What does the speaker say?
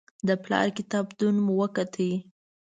د پلار کتابتون مو وکت.